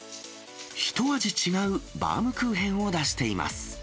ひと味違うバウムクーヘンを出しています。